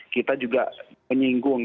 kita juga menyinggung